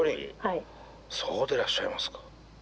そうでらっしゃいますか。